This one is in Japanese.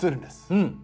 うん。